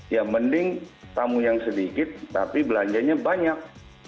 ya mending tamu yang sedikit tapi belanjanya banyak